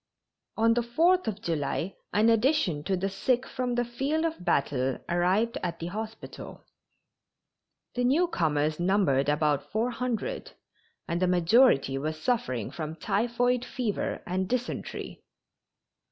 On the Fourth of July an addition to the sick from the field of battle arrived at the hospital. The newcomers numbered about four hundred, and the majority were suffering from typhoid fever and dysentery.